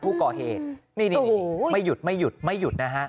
ผู้ก่อเหตุนี่ไม่หยุดนะฮะ